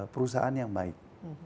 perusahaan yang baik